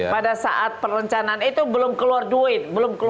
jadi pada saat perencanaan itu belum keluar duit